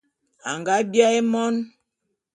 Anga biaé mon.